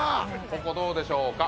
ここどうでしょうか？